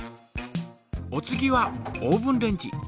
お次はオーブンレンジ。